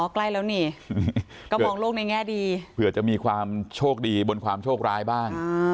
ใกล้แล้วนี่ก็มองโลกในแง่ดีเผื่อจะมีความโชคดีบนความโชคร้ายบ้าง